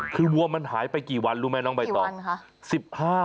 คือวัวมันหายไปกี่วันรู้ไหมน้องใบตอง